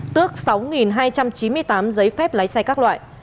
tước sáu hai trăm chín mươi tám giấy phép lái xe các loại